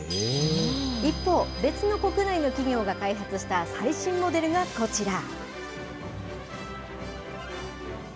一方、別の国内の企業が開発した最新モデルがこちら。